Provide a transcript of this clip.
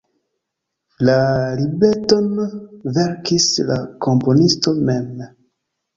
La libreton verkis la komponisto mem.